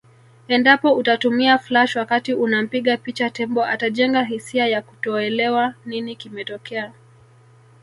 Endapo utatumia flash wakati unampiga picha tembo atajenga hisia ya kutoelewa nini kimetokea